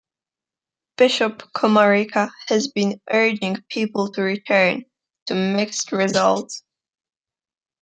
Bishop Komarica has been urging people to return, to mixed results.